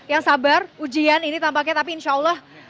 yang sabar ujian ini tampaknya tapi insya allah